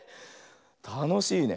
たのしいね。